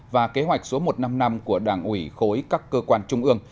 và kế hoạch số một trăm năm mươi năm của đảng ủy khối các cơ quan trung ương